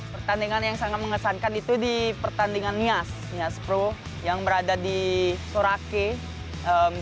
pertandingan yang sangat mengesankan itu di pertandingan nias nias pro yang berada di sorake